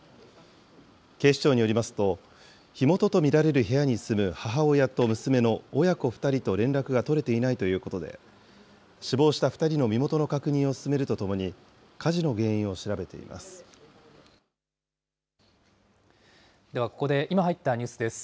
警視庁によりますと、火元と見られる部屋に住む母親と娘の親子２人と連絡が取れていないということで、死亡した２人の身元の確認を進めるとともに、火では、ここで今入ったニュースです。